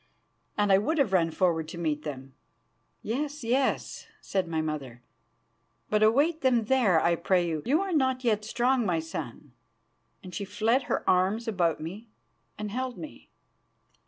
And I would have run forward to meet them. "Yes, yes," said my mother; "but await them here, I pray you. You are not yet strong, my son." And she flung her arms about me and held me.